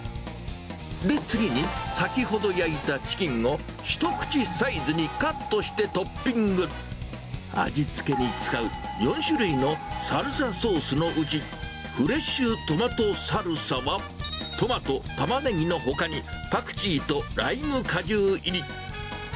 で、次に先ほど焼いたチキンを一口サイズにカットしてトッピング、味付けに使う４種類のサルサソースのうち、フレッシュトマトサルサは、トマト、タマネギのほかに、パクチーとライム果汁入り。